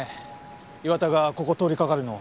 岩田がここを通りかかるのを。